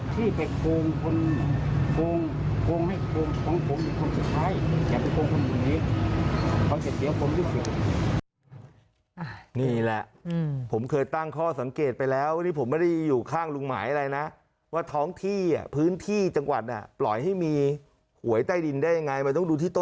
ที่ไปควงคนควงควงให้ควงควงคนสุดท้ายอยากไปควงคนแบบนี้